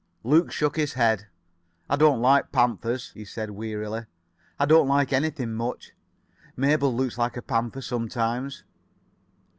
Luke shook his head. "I don't like panthers," he said wearily. "I don't like anything much. Mabel looks like a panther sometimes."